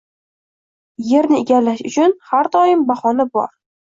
Erni egallash uchun har doim bahona bor